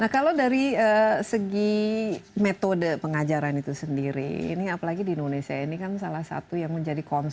nah kalau dari segi metode pengajaran itu sendiri ini apalagi di indonesia ini kan salah satu yang menjadi concern